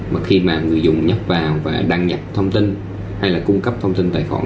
mà khi mà người dùng nhập vào và đăng nhập thông tin hay là cung cấp thông tin tài khoản